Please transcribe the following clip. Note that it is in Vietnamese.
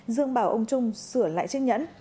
dương bảo ông trung sửa lại chiếc nhẫn